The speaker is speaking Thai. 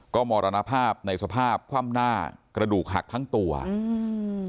ก็มรณภาพในสภาพคว่ำหน้ากระดูกหักทั้งตัวอืม